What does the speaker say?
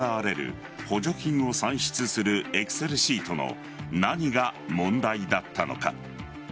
大事な税金から支払われる補助金を算出するエクセルシートの何が問題だったのか。